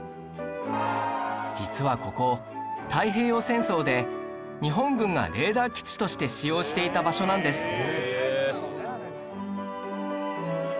実はここ太平洋戦争で日本軍がレーダー基地として使用していた場所なんです